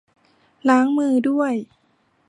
ล้างมือด้วย